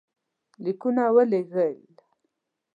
لیکونه ولېږل.